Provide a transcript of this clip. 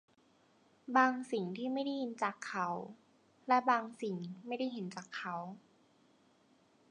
บางสิ่งที่ไม่ได้ยินจากเขา และบางสิ่งที่ไม่ได้เห็นจากเขา